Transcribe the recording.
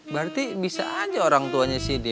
berarti bisa aja orang tuanya cindy